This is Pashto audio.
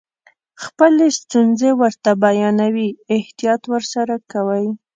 خپلې ستونزې ورته بیانوئ احتیاط ورسره کوئ.